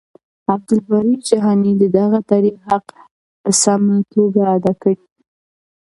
عبدالباري جهاني د دغه تاريخ حق په سمه توګه ادا کړی دی.